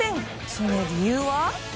その理由は。